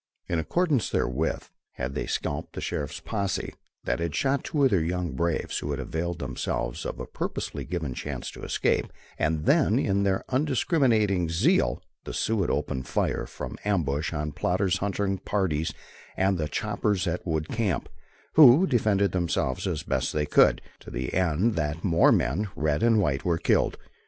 In accordance therewith, had they scalped the sheriff's posse that had shot two of their young braves who had availed themselves of a purposely given chance to escape, and then in their undiscriminating zeal, the Sioux had opened fire from ambush on Plodder's hunting parties and the choppers at the wood camp, who defended themselves as best they could, to the end that more men, red and white, were killed.